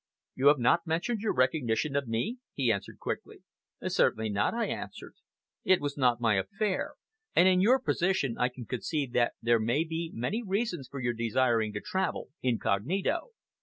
"You have not mentioned your recognition of me?" he asked quickly. "Certainly not," I answered. "It was not my affair, and in your position I can conceive that there may be many reasons for your desiring to travel incognito."